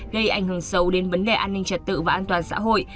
gây ảnh hưởng sâu đến vấn đề an ninh trật tự và an toàn xã hội